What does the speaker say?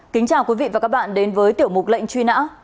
kính chào quý vị và các bạn đến với tiểu mục lệnh truy nã